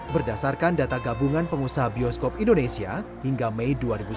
berdasarkan data gabungan pengusaha bioskop indonesia hingga mei dua ribu sembilan belas